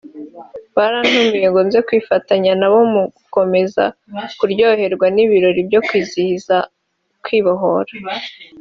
barantumiye ngo nze kwifatanya nabo mu gukomeza kuryoherwa n’ibirori byo kwizihiza Kwibohora